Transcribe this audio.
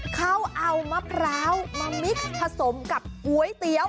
เขาเอามะพร้าวมามิกผสมกับก๋วยเตี๋ยว